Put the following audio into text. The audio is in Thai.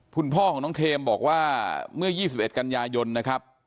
คุณพ่อของน้องเทมบอกว่าเมื่อ๒๑กันยายนนะครับ